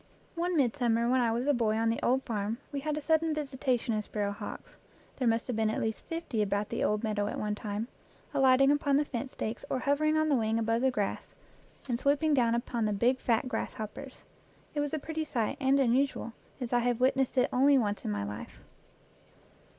One midsummer when I was a boy on the old farm we had a sudden visitation of sparrow hawks; there must have been at least fifty about the old meadow at one time, alighting upon the fence stakes or hovering on the wing above the grass and swooping down upon the 59 EACH AFTER ITS KIND big, fat grasshoppers. It was a pretty sight and un usual, as I have witnessed it only once in my life.